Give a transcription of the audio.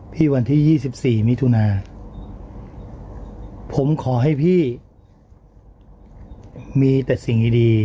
พี่วันที่ยี่สิบสี่มิถุนาผมขอให้พี่มีแต่สิ่งดีดี